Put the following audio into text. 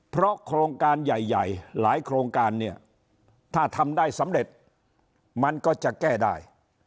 เพราะโครงการใหญ่หลายโครงการเนี่ยถ้าทำได้สำเร็จมันก็จะแก้ได้